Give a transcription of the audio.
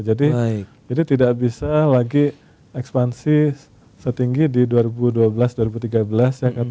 jadi tidak bisa lagi ekspansi setinggi di dua ribu dua belas dua ribu tiga belas ya